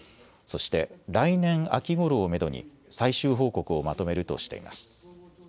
そして来年秋ごろをめどに最終報告をまとめるとしています。